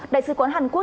đại sứ quán hàn quốc